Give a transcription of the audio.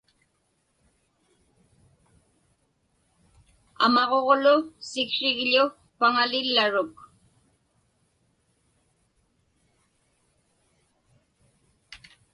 Amaġuġlu siksrigḷu paŋalillaruk.